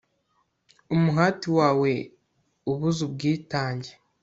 umuhati wawe ubuze ubwitange